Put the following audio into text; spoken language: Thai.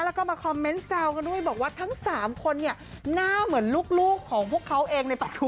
แล้วก็มาคอมเมนต์แซวกันด้วยบอกว่าทั้ง๓คนเนี่ยหน้าเหมือนลูกของพวกเขาเองในปัจจุบัน